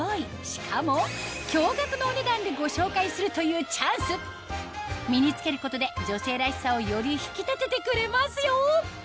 しかも驚愕のお値段でご紹介するというチャンス身に着けることで女性らしさをより引き立ててくれますよ